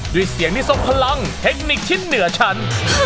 ด้วยเสียงนิสมพลังเทคนิคที่เหนือชัน